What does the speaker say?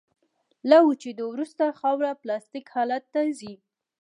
له وچېدو وروسته خاوره پلاستیک حالت ته ځي